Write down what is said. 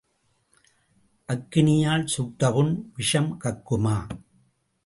அக்கினியால் சுட்ட புண் விஷம் கக்குமா?